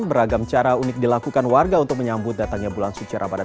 beragam cara unik dilakukan warga untuk menyambut datangnya bulan suci ramadan